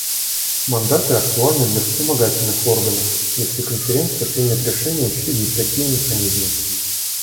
Мандаты актуальны для вспомогательных органов, если Конференция примет решение учредить такие механизмы.